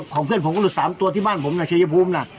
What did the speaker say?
ของเพื่อนผมก็หลุด๓ตัวที่บ้านผมนะชัยภูมิน่ะ